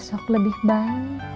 surat apa ini bah